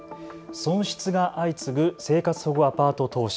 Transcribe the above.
損失が相次ぐ生活保護アパート投資。